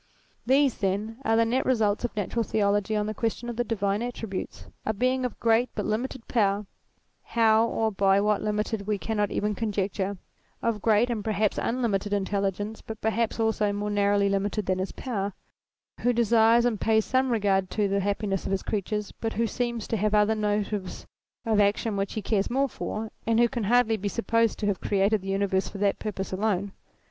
These, then, are the net results of Natural Theology on the question of the divine attributes. A Being of great but limited power, how or by what limited we cannot even conjecture ; of great, and perhaps un limited intelligence, but perhaps, also, more narrowly limited than his power : who desires, and pays some regard to, the happiness of his creatures, but who seems to have other motives of action which he cares more for, and who can hardly be supposed to have created the universe for that purpose alone.